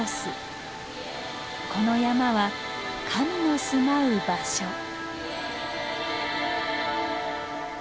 この山は神の住まう場所。